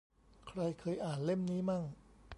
ใครเคยอ่านเล่มนี้มั่ง